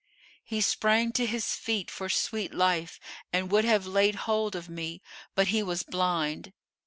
He sprang to his feet for sweet life and would have laid hold of me; but he was blind.